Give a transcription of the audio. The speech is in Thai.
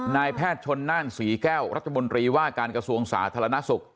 นายแพทย์ชนน่านศรีแก้วรัฐมนตรีว่าการกระทรวงสาธารณสุข